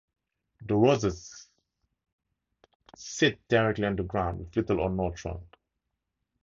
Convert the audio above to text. The rosettes sit directly on the ground, with little or no trunk.